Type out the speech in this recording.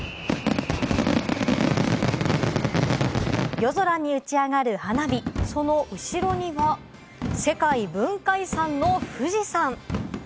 夜空に打ち上がる花火、その後ろには世界文化遺産の富士山！